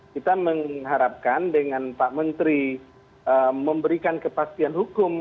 kita mengharapkan dengan pak menteri memberikan kepastian hukum